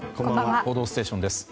「報道ステーション」です。